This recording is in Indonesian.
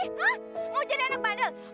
hah mau jadi anak pandel